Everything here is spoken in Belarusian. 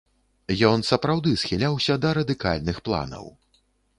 Ён сапраўды схіляўся да радыкальных планаў.